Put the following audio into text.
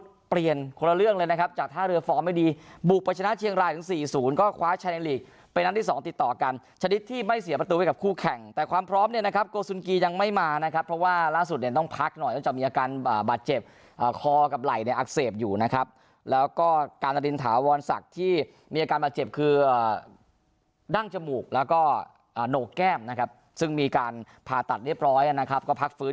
ก็เปลี่ยนคนละเรื่องเลยนะครับจากท่าเรือฟอร์มไม่ดีบุกประชนะเชียงรายถึงสี่ศูนย์ก็คว้าชายในภาคภาคภาคภาคภาคภาคภาคภาคภาคภาคภาคภาคภาคภาคภาคภาคภาคภาคภาคภาคภาคภาคภาคภาคภาคภาคภาคภาคภาคภาคภาคภาคภาคภาคภาคภาคภาคภ